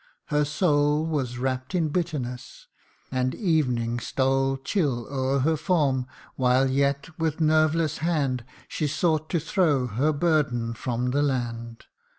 Her soul Was rapt in bitterness and evening stole Chill o'er her form, while yet with nerveless hand She sought to throw her burden from the land.